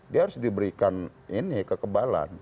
dia harus diberikan ini kekebalan